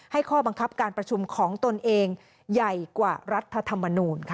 ข้อบังคับการประชุมของตนเองใหญ่กว่ารัฐธรรมนูลค่ะ